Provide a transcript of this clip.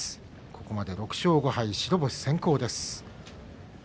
ここまで６勝５敗白星先行です。